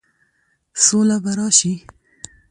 سوله به راشي،